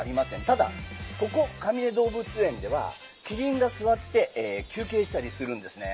ただ、ここ、かみね動物園ではキリンが座って休憩したりするんですね。